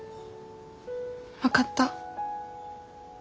分かった。